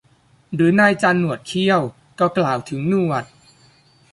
หรือนายจันหนวดเขี้ยว ก็กล่าวถึงหนวด